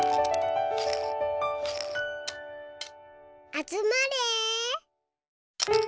あつまれ。